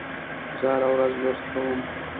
زه هره ورځ لوست کوم.